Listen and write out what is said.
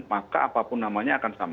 maka apapun namanya akan sama